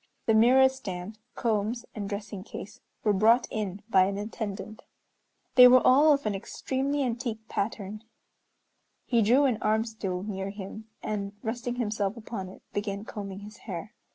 The mirror stand, combs, and dressing case were brought in by an attendant. They were all of an extremely antique pattern. He drew an "arm stool" near him, and resting himself upon it began combing his hair.